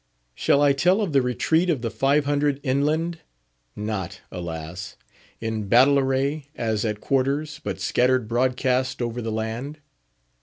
Shall I tell of the Retreat of the Five Hundred inland; not, alas! in battle array, as at quarters, but scattered broadcast over the land?